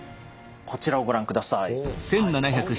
こちらをご覧下さい。